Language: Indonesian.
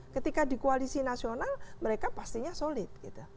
ketika di koalisi nasional mereka pastinya solid